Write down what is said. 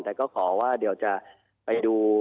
แต่ก็ขอว่าเดี๋ยวจะไปดู